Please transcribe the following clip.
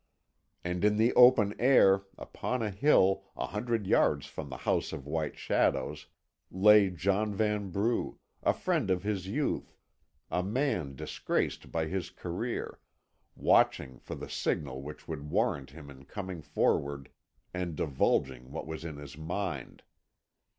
And in the open air, upon a hill, a hundred yards from the House of White Shadows, lay John Vanbrugh, a friend of his youth, a man disgraced by his career, watching for the signal which would warrant him in coming forward and divulging what was in his mind.